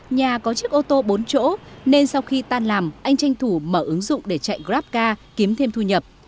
nhà có chiếc ô tô bốn chỗ nên sau khi tan làm anh tranh thủ mở ứng dụng để chạy grabcar kiếm thêm thu nhập